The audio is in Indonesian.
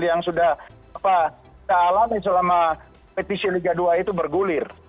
yang sudah kita alami selama petisi liga dua itu bergulir